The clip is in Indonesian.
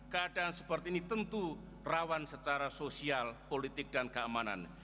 keadaan seperti ini tentu rawan secara sosial politik dan keamanan